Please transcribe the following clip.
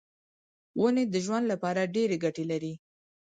ونې د ژوند لپاره ډېرې ګټې لري.